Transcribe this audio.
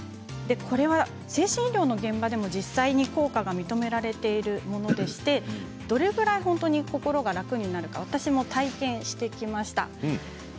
これは精神医療の現場でも実際に効果が認められているものでしてどれぐらい本当に心が楽になるのか私も体験してきました。